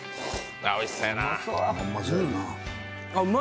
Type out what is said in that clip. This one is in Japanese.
ああ、おいしそうやな。